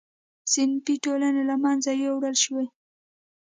صنفي ټولنې له منځه یووړل شوې.